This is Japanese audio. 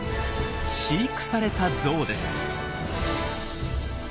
飼育されたゾウです。